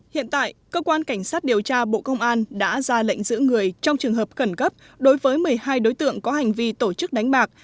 hiện tại cơ quan cảnh sát điều tra bộ công an đã ra lệnh giữ người trong trường hợp khẩn cấp đối với một mươi hai đối tượng có hành vi tổ chức đánh bạc